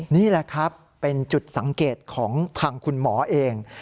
นี่แหละครับเป็นจุดสังเกตของทางคุณหมอเอง